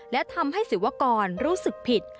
และทำให้ศิวกรรู้สึกผิด